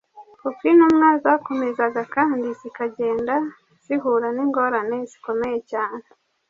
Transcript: Uko intumwa zakomezaga kandi zikagenda zihura n’ingorane zikomeye cyane